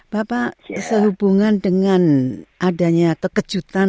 bapak sehubungan dengan adanya kekejutan